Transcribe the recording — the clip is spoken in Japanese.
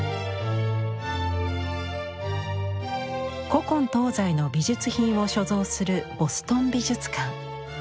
古今東西の美術品を所蔵するボストン美術館。